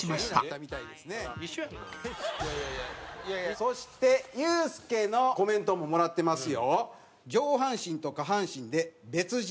そしてユースケのコメントももらってますよ。